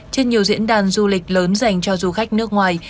trên nhiều diễn đàn du lịch lớn dành cho du khách nước ngoài